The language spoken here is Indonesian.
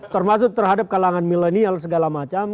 termasuk terhadap kalangan milenial segala macam